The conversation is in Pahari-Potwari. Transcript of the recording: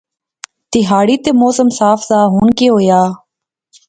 تیہاڑی تے موسم صاف سا ہُن کہہ ہویا